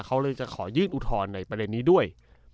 เขาเลยจะขอยื่นอุทธรณ์ในประเด็นนี้ด้วย